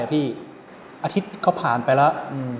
อาทิตย์ก็ผ่านไปแล้ว